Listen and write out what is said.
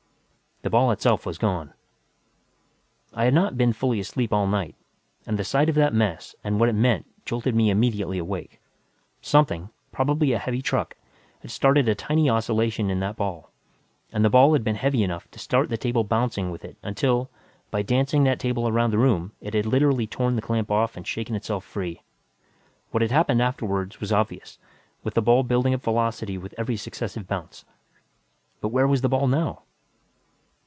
The ball itself was gone. I had not been fully asleep all night, and the sight of that mess, and what it meant, jolted me immediately awake. Something, probably a heavy truck, had started a tiny oscillation in that ball. And the ball had been heavy enough to start the table bouncing with it until, by dancing that table around the room, it had literally torn the clamp off and shaken itself free. What had happened afterward was obvious, with the ball building up velocity with every successive bounce. But where was the ball now?